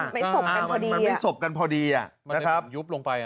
อ่ามันไม่สกกันพอดีอ่ะมันไม่สกกันพอดีอ่ะนะครับยุบลงไปอ่ะ